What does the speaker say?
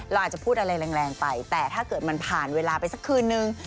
เราอาจจะพูดอะไรแรงไปแต่ถ้าเกิดมันผ่านเวลาไปสักคืนนึง